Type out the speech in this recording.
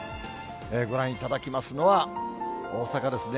ご覧いただきますのは、大阪ですね。